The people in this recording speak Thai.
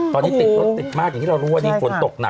ตอนนี้ติดรถติดมากอย่างที่เรารู้วันนี้ฝนตกหนัก